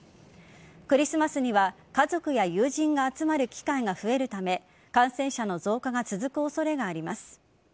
クリスマスには家族や友人が集まる機会が増えるため感染者の増加が続く恐れがあります。